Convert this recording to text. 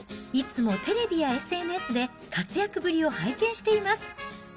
いつもテレビやＳＮＳで活躍ぶりを拝見しています。